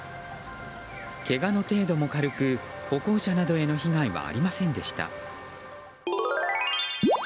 けがの程度も軽く歩行者などへの被害はありませんでした。